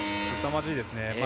すさまじいですね。